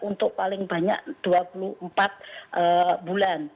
untuk paling banyak dua puluh empat bulan